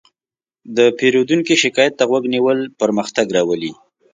د پیرودونکي شکایت ته غوږ نیول پرمختګ راولي.